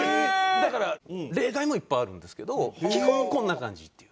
だから例外もいっぱいあるんですけど基本はこんな感じっていう。